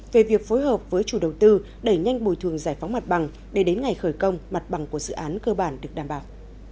về việc phối hợp với chủ đầu tư đẩy nhanh bồi thường giải phóng mặt bằng để đến ngày khởi công mặt bằng của dự án cơ bản được đảm bảo